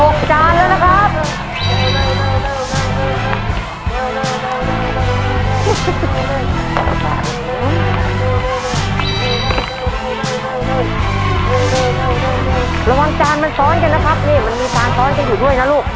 ระวังจานมันซ้อนกันนะครับมันมีภาษาซ้อนกันอยู่ด้วยนะลูก